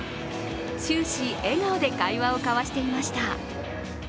終始、笑顔で会話を交わしていました。